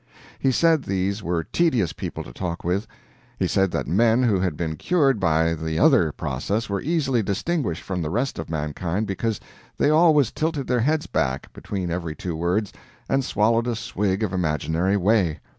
He said these were tedious people to talk with. He said that men who had been cured by the other process were easily distinguished from the rest of mankind because they always tilted their heads back, between every two words, and swallowed a swig of imaginary whey.